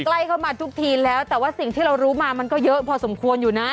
ใกล้เข้ามาทุกทีแล้วแต่ว่าสิ่งที่เรารู้มามันก็เยอะพอสมควรอยู่นะ